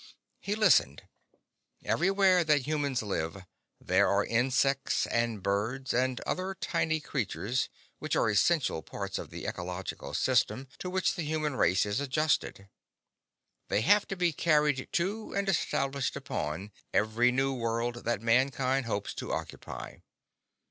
He listened. Everywhere that humans live, there are insects and birds and other tiny creatures which are essential parts of the ecological system to which the human race is adjusted. They have to be carried to and established upon every new world that mankind hopes to occupy.